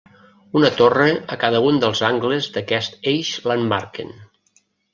Una torre a cada un dels angles d'aquest eix l'emmarquen.